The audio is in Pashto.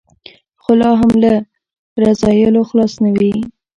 خو لا هم له رذایلو خلاص نه وي.